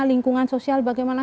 lingkungan sosial bagaimana